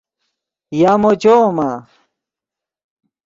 یامو چویمآ؟